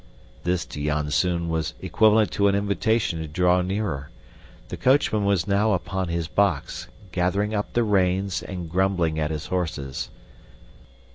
This, to Janzoon, was equivalent to an invitation to draw nearer. The coachman was now upon his box, gathering up the reins and grumbling at his horses.